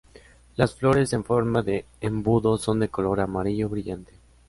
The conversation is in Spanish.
Las flores en forma de embudo son de color amarillo brillante.